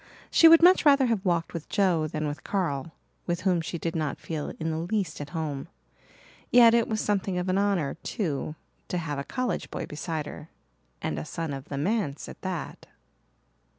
She would much rather have walked with Joe than with Carl, with whom she did not feel in the least at home. Yet it was something of an honour, too, to have a college boy beside her, and a son of the manse at that.